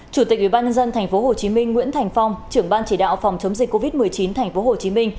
chủ tịch ubnd tp hcm nguyễn thành phong trưởng ban chỉ đạo phòng chống dịch covid một mươi chín tp hcm